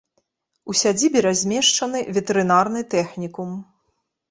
У сядзібе размешчаны ветэрынарны тэхнікум.